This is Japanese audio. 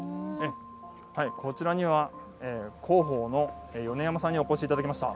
こちらには広報の米山さんにお越しいただきました。